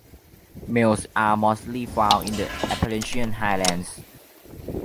Males are mostly found in the Appalachian Highlands.